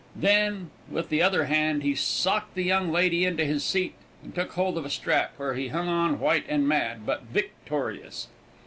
Then, with the other hand, he socked the young lady into his seat, and took hold of a strap, where he hung on white and mad, but victorious.